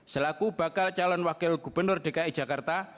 selaku bakal calon wakil gubernur dki jakarta